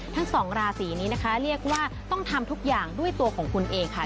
ทั้งสองราศีนี้นะคะเรียกว่าต้องทำทุกอย่างด้วยตัวของคุณเองค่ะ